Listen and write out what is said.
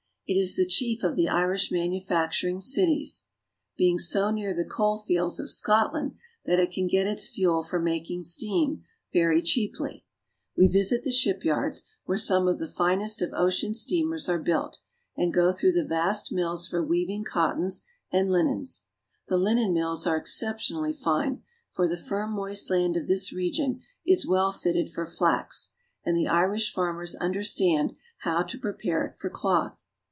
It is the chief of the Irish manufacturing cities, being so near the coal fields of Scot land that it can get its fuel for making steam very cheaply. We visit the shipyards, where some of the finest of ocean steamers are built, and go through the vast mills for weav ing cottons and linens. The linen mills are especially fine, for the firm moist land of this region is well fitted for flax, and the Irish farmers understand how to prepare it for cloth.